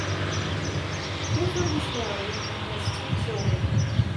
Clifford is married and has two children.